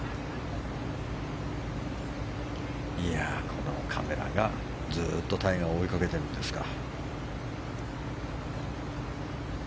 このカメラが、ずっとタイガーを追いかけているんですか。